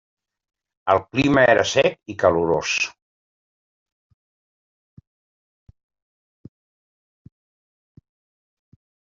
El clima era sec i calorós.